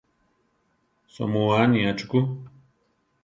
Soʼmúa aniá chukú.